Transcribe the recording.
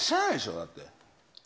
だって。